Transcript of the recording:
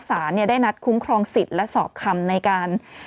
สารได้นัดคุ้มครองสิทธิ์และสอบคำในการ